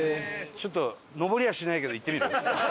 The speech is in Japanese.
ちょっと上りはしないけど行ってみる？